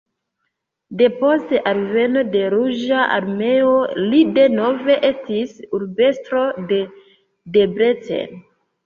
Depost alveno de Ruĝa Armeo li denove estis urbestro de Debrecen.